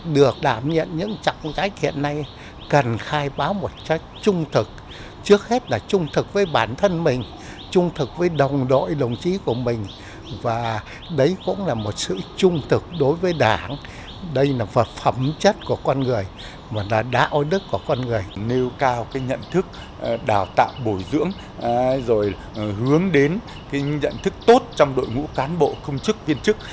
đào tạo bồi dưỡng rồi hướng đến nhận thức tốt trong đội ngũ cán bộ công chức viên chức